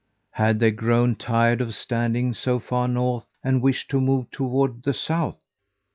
Had they grown tired of standing so far north, and wished to move toward the south?